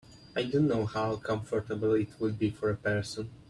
I don’t know how comfortable it would be for a person.